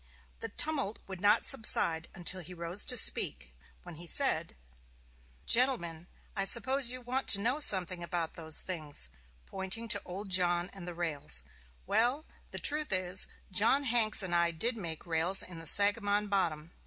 The tumult would not subside until he rose to speak, when he said: "GENTLEMEN: I suppose you want to know something about those things [pointing to old John and the rails]. Well, the truth is, John Hanks and I did make rails in the Sagamon Bottom.